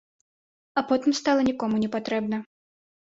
А потым стала нікому не патрэбна.